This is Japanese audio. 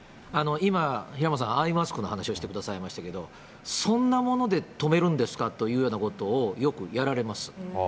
今、平本さん、アイマスクの話をしてくださいましたけれども、そんなもので止めるんですかというようなことをよくやられます。